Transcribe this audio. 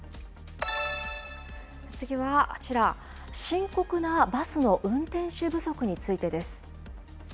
次はあちら、深刻なバスの運転手不足についてです。